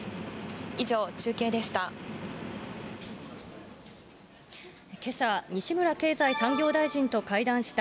以上、中継でした。